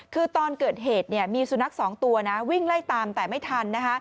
คือตอนเกิดเหตุมีสุนัขสองตัวนะวิ่งไล่ตามแต่ไม่ทันนะคะ